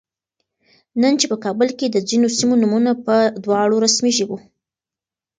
نن چې په کابل کې د ځینو سیمو نومونه په دواړو رسمي ژبو